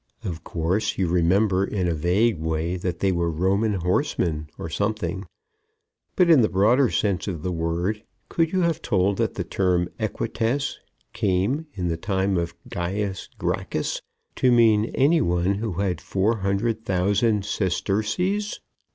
Of course, you remember in a vague way that they were Roman horsemen or something, but, in the broader sense of the word, could you have told that the term "equites" came, in the time of Gaius Gracchus, to mean any one who had four hundred thousand sesterces?